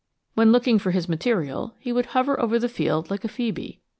When looking for his material he would hover over the field like a phœbe.